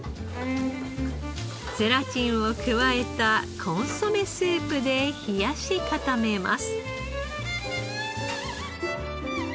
ゼラチンを加えたコンソメスープで冷やし固めます。